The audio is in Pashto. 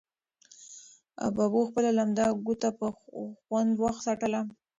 ببو خپله لمده ګوته په خوند وڅټله.